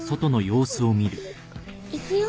行くよ。